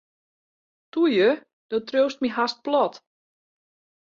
Toe ju, do triuwst my hast plat.